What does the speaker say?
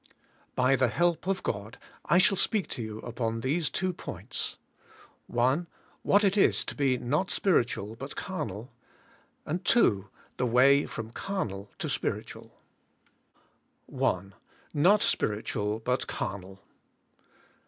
By the help of God I shall speak to you upon these two points. CARNAI, OR SPIRITUAI.. 3 1. What it is to he not Spiritual hut Carnal. 2. The Way From Carnal to SpirituaL I. NOT SPIRITUAL BUT CARNAL.